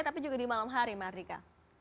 tapi juga di malam hari maha hardika